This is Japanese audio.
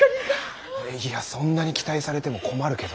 いやそんなに期待されても困るけど。